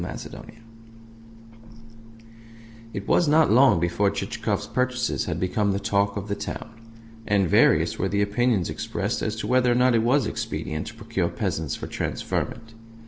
CHAPTER VIII It was not long before Chichikov's purchases had become the talk of the town; and various were the opinions expressed as to whether or not it was expedient to procure peasants for transferment.